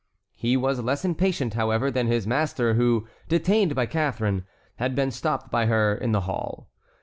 He was less impatient, however, than his master who, detained by Catharine, had been stopped by her in the hall.